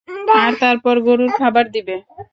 আর তারপর গরুর খাবার দিবে।